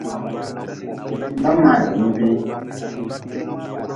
Ba maadm bihi.